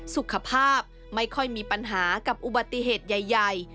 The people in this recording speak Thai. สุขภาพไม่ค่อยมีปัญหากับอุบัติเหตุใหญ่